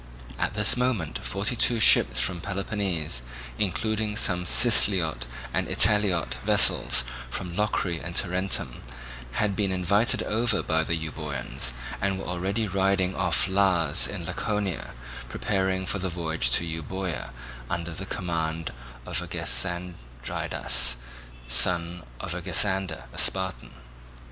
At this moment forty two ships from Peloponnese, including some Siceliot and Italiot vessels from Locri and Tarentum, had been invited over by the Euboeans and were already riding off Las in Laconia preparing for the voyage to Euboea, under the command of Agesandridas, son of Agesander, a Spartan.